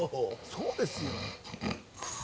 そうですよ